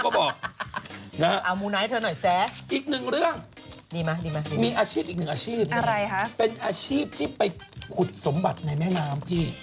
ก็คือที่ไปขดสมบัติในแม่น้ำพี่